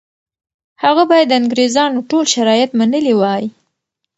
هغه باید د انګریزانو ټول شرایط منلي وای.